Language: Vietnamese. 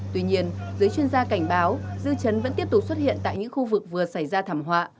tuy nhiên giới chuyên gia cảnh báo dư chấn vẫn tiếp tục xuất hiện tại những khu vực vừa xảy ra thảm họa